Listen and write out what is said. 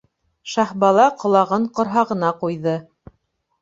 Шаһбала ҡолағын ҡорһағына ҡуйҙы.